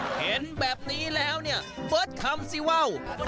เห็นแบบนี้แล้วเนี่ยเบิร์ตคำสิว่าว